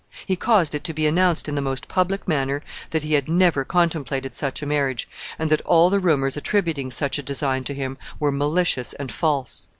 He caused it to be announced in the most public manner that he had never contemplated such a marriage, and that all the rumors attributing such a design to him were malicious and false.